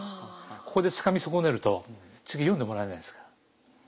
ここでつかみ損ねると次読んでもらえないですから。